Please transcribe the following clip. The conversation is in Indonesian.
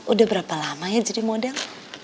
udah berapa lama ya jadi model